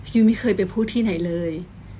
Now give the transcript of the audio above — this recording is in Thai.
ไม่เคยไปพูดที่ไหนเลย